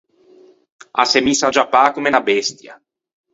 A s’é missa à giappâ comme unna bestia.